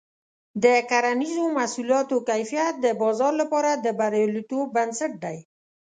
د کرنیزو محصولاتو کیفیت د بازار لپاره د بریالیتوب بنسټ دی.